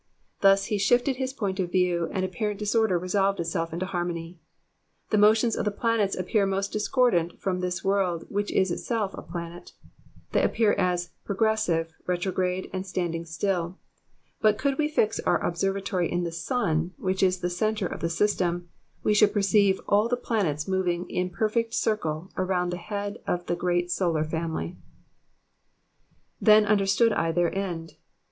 Thus he shifted his point of view, and apparent disorder resolved Itself into harmony. The motions of the planets appear most discordant from this world which is itself a planet ; they appear as *' progressive, retrograde, and standing still ;" but could we fix our observatory in the sun, which is the centre of the system, we should perceive all the planets moving in perfect circle around the head of the great solar family. Th^n understood I their end.'